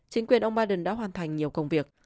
chính quyền ông biden đã hoàn thành nhiều công việc